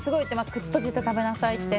口閉じて食べなさいって。